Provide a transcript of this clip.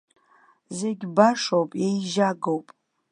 Зегь башоуп, еижьагоуп!